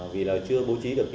vì là chưa bố trí được